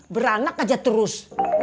beranak aja terus